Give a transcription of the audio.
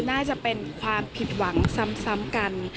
น่าจะเป็นความผิดหวังซ้ำกัน